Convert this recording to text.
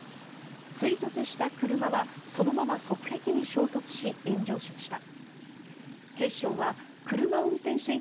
追突した車はそのまま側壁に衝突し炎上しました。